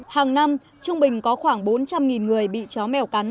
hàng năm trung bình có khoảng bốn trăm linh người bị chó mèo cắn